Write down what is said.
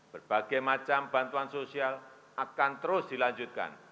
berbagai macam bantuan sosial akan terus dilanjutkan